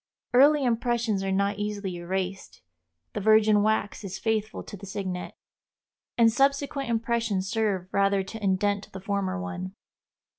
Early impressions are not easily erased; the virgin wax is faithful to the signet, and subsequent impressions serve rather to indent the former one.